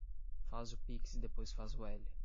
Faz o pix e depois faz o L